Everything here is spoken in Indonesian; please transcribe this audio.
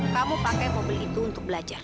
kamu akan saya pecat